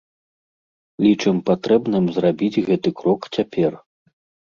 Лічым патрэбным зрабіць гэты крок цяпер.